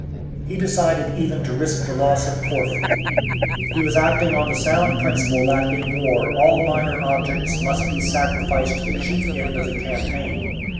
He decided even to risk the loss of Corfu. He was acting on the sound principle that in war all minor objects must be sacrificed to the chief end of the campaign.